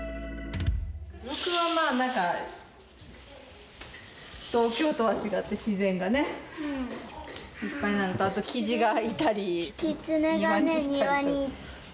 魅力は、まあなんか、東京とは違って自然がね、いっぱいなのと、あとキジがいたり。